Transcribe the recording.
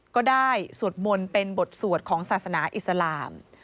ก็ได้สวดมนต์เป็นบทสวดของศาสนาอิสลาม